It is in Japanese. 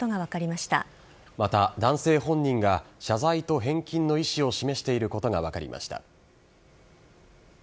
また、男性本人が謝罪と返金の意志を示していることが分かりました。